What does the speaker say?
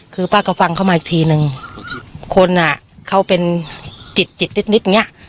คือป้าก็ฟังเข้ามาอีกทีนึงคนอ่ะเขาเป็นจิตจิตนิดนิดอย่างเงี้ย